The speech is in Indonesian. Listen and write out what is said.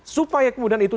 supaya kemudian itu